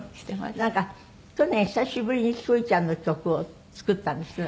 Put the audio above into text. なんか去年久しぶりに九ちゃんの曲を作ったんですって？